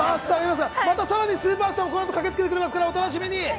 また、更にスーパースターも駆けつけてくれますから、お楽しみに。